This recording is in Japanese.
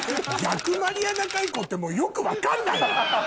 逆マリアナ海溝ってもうよく分かんないわ。